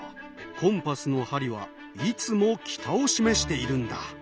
コンパスの針はいつも北を示しているんだ。